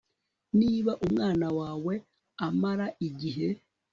niba umwana wawe amara igihe